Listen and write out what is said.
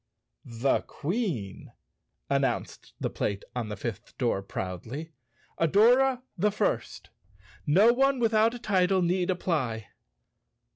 "The Queen," announced the plate on the fifth door proudly, " Adora the First. No one without a title need apply."